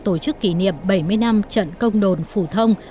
tổ chức kỷ niệm bảy mươi năm trận công đồn phủ thông